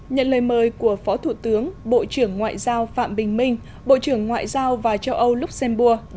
nhận lời mời của phó thủ tướng bộ trưởng ngoại giao phạm bình minh bộ trưởng ngoại giao và châu âu luxembourg